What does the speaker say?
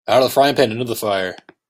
Out of the frying pan into the fire.